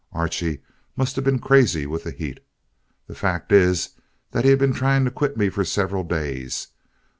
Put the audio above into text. Archie must have been crazy with the heat. The fact is that he had been trying to quit me for several days.